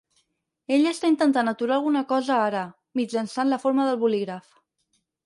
Ell està intentant aturar alguna cosa ara, mitjançant la força del bolígraf.